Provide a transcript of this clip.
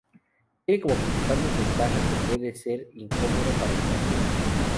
Tiene como principal desventaja que puede ser incómodo para el paciente.